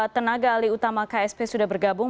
tenaga alih utama ksp sudah bergabung